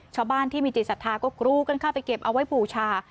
ชาวบ้านที่มีจิตศรัทธาก็กรูกันเข้าไปเก็บเอาไว้บูชา